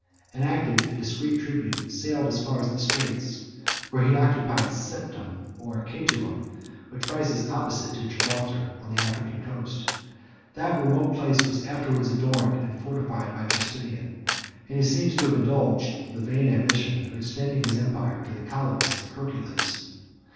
An active and discreet tribune sailed as far as the Straits, where he occupied Septem or Ceuta, 23 which rises opposite to Gibraltar on the African coast; that remote place was afterwards adorned and fortified by Justinian; and he seems to have indulged the vain ambition of extending his empire to the columns of Hercules.